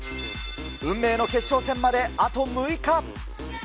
運命の決勝戦まであと６日。